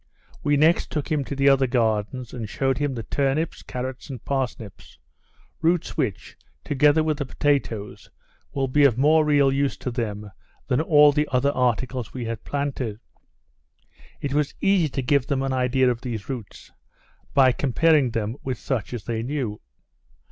We next took him to the other gardens, and shewed him the turnips, carrots, and parsnips; roots which, together with the potatoes, will be of more real use to them than all the other articles we had planted. It was easy to give them an idea of these roots, by comparing them with such as they knew.